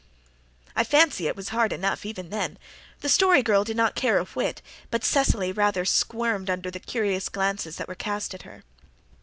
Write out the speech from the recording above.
I fancy it was hard enough even then. The Story Girl did not care a whit, but Cecily rather squirmed under the curious glances that were cast at her.